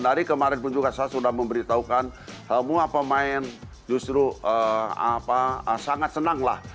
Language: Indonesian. dari kemarin pun juga saya sudah memberitahukan semua pemain justru sangat senang lah